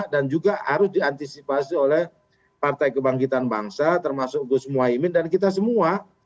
dan juga harus diantisipasi oleh partai kebangkitan bangsa termasuk gus muwaimin dan kita semua